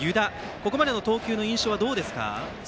ここまでの投球の印象はどうですか。